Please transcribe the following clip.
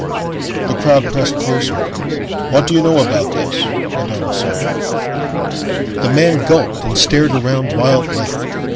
The crowd pressed closer. "What do you know about this?" went on the sergeant. The man gulped and stared around wildly.